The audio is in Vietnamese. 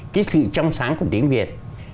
cái sự trong sáng của tiếng việt